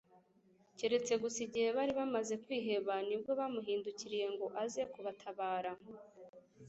keretse gusa igihe bari bamaze kwiheba nibwo bamuhindukiriye ngo aze kubatabara.